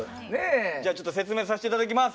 じゃあちょっと説明させて頂きます。